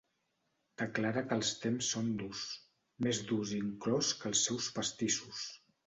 Declara que els temps són durs, més durs inclòs que els seus pastissos.